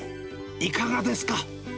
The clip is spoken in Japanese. いかがですか。